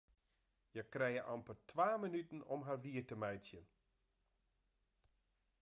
Hja krije amper twa minuten om har wier te meitsjen.